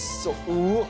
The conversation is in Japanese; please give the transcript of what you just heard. うわっ！